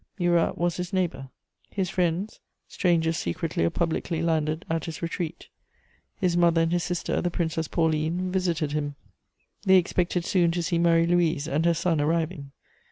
Murat was his neighbour; his friends, strangers secretly or publicly landed at his retreat; his mother and his sister, the Princess Pauline, visited him; they expected soon to see Marie Louise and her son arriving.